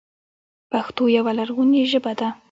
پښتو یوه لرغوني ژبه ده.